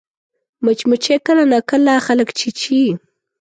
مچمچۍ کله ناکله خلک چیچي